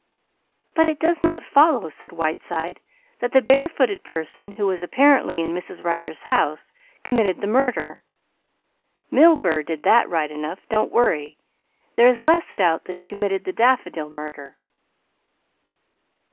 "But it does not follow," said Whiteside, "that the bare footed person who was apparently in Mrs. Rider's house committed the murder. Milburgh did that right enough, don't worry! There is less doubt that he committed the Daffodil Murder."